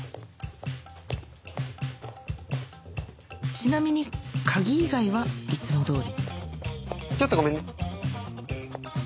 ちなみに鍵以外はいつも通りちょっとごめんね。